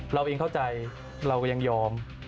เราเองเข้าใจเราก็ยังยอม